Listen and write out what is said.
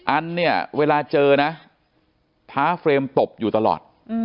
อันเนี่ยเวลาเจอนะท้าเฟรมตบอยู่ตลอด